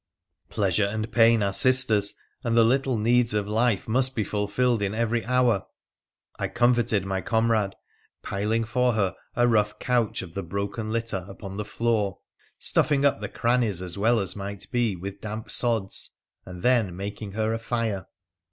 Pleasure and Pain are sisters, and the little needs of life must be fulfilled in every hour. I comforted my comrade, piling for her a rough couch of the broken litter upon the floor, stuffing up the crannies as well as might be with damp eods, and then making her a fire.